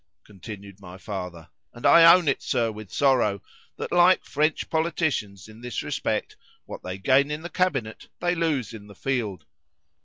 continued my father, and I own it, Sir, with sorrow, that, like French politicians in this respect, what they gain in the cabinet they lose in the field.